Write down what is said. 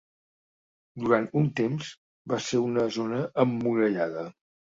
Durant un temps va ser una zona emmurallada.